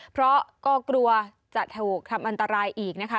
เพราะก็กลัวจะถูกทำอันตรายอีกนะคะ